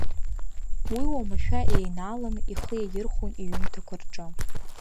Уи уамашәа еинааланы ихы иаирхәон иҩымҭақәа рҿы.